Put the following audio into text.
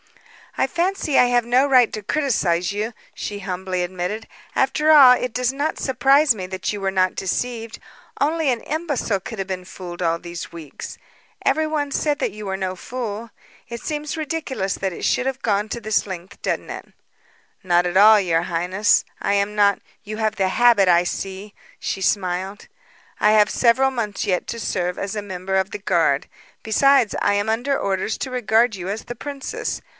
"I fancy I have no right to criticise you," she humbly admitted. "After all, it does not surprise me that you were not deceived. Only an imbecile could have been fooled all these weeks. Everyone said that you were no fool. It seems ridiculous that it should have gone to this length, doesn't it?" "Not at all, your highness. I am not " "You have the habit, I see," she smiled. "I have several months yet to serve as a member of the guard. Besides, I am under orders to regard you as the princess.